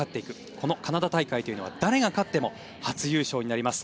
このカナダ大会というのは誰が勝っても初優勝になります。